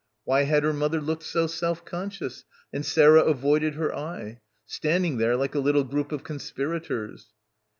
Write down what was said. Why had her mother looked so self conscious and Sarah avoided her eye ... standing there like a little group of conspirators?